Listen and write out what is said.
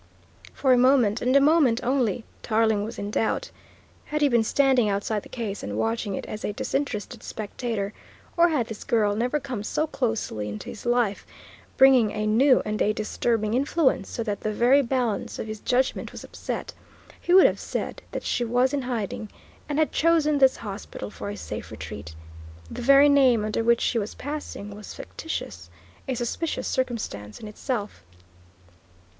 For a moment, and a moment only, Tarling was in doubt. Had he been standing outside the case and watching it as a disinterested spectator, or had this girl never come so closely into his life, bringing a new and a disturbing influence so that the very balance of his judgment was upset, he would have said that she was in hiding and had chosen this hospital for a safe retreat. The very name under which she was passing was fictitious a suspicious circumstance in itself.